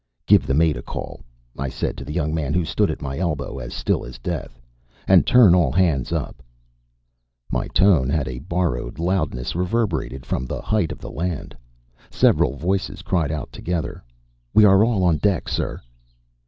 "Give the mate a call," I said to the young man who stood at my elbow as still as death. "And turn all hands up." My tone had a borrowed loudness reverberated from the height of the land. Several voices cried out together: "We are all on deck, sir."